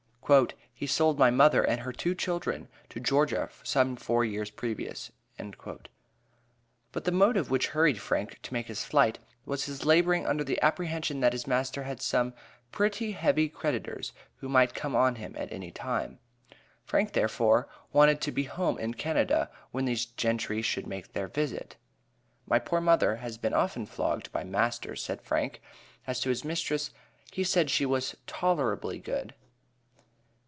"He sold my mother and her two children to Georgia some four years previous." But the motive which hurried Frank to make his flight was his laboring under the apprehension that his master had some "pretty heavy creditors who might come on him at any time." Frank, therefore, wanted to be from home in Canada when these gentry should make their visit. My poor mother has been often flogged by master, said Frank. As to his mistress, he said she was "tolerably good."